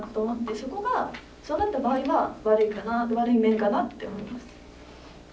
そこがそうなった場合は悪いかな悪い面かなって思いました。